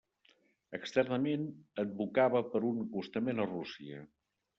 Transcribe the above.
Externament, advocava per un acostament a Rússia.